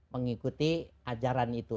mengikuti ajaran itu